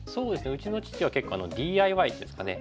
うちの父は結構ＤＩＹですかね。